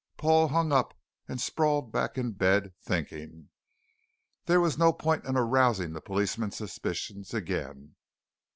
Paul hung up and sprawled back in bed, thinking. There was no point in arousing the policeman's suspicions again.